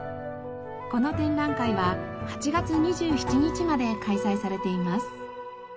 この展覧会は８月２７日まで開催されています。